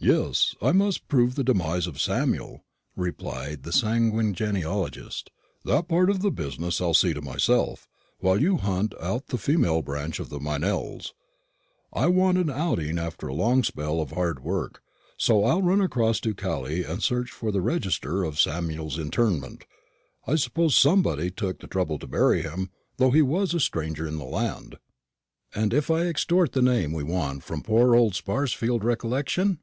"Yes, I must prove the demise of Samuel," replied the sanguine genealogist; "that part of the business I'll see to myself, while you hunt out the female branch of the Meynells. I want an outing after a long spell of hard work; so I'll run across to Calais and search for the register of Samuel's interment. I suppose somebody took the trouble to bury him, though he was a stranger in the land." "And if I extort the name we want from poor old Sparsfield's recollection?"